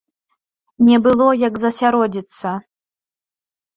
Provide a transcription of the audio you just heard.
Не было як засяродзіцца.